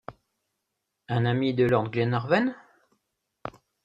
Un ami de lord Glenarvan?